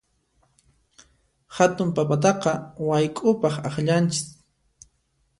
Hatun papataqa wayk'upaq akllananchis.